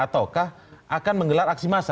ataukah akan menggelar aksi massa